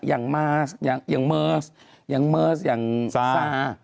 อย่างมาสอย่างเมิร์สอย่างซา